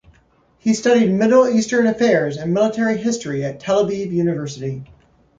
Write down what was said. He studied Middle Eastern affairs and military history at Tel Aviv University.